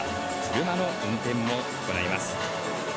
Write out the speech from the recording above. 車の運転も行います。